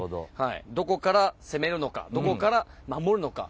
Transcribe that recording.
どこから攻めるのかどこから守るのか。